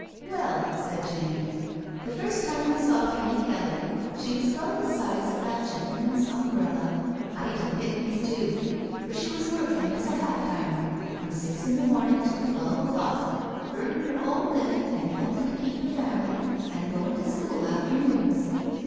•• Well," said Jenny, " the first time I saw Fanny Kelly she was about the size of that gentleman's um brella — ^height and thickness too — but she was working as a half timer, from six in the morning till twelve o'clock, eamin* her own livin' and helpin' to keep her family, and goin' to school afternoons.